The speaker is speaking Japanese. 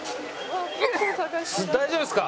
大丈夫ですか？